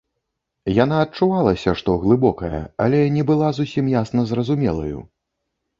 Яна адчувалася, што глыбокая, але не была зусім ясна зразумелаю.